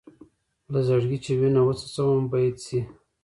له زړګي چې وينه وڅڅوم بېت شي.